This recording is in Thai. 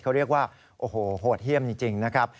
เขาเรียกว่าโอ้โหโหดเยี่ยมจริงนะครับ